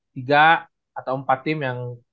tiga atau empat tim yang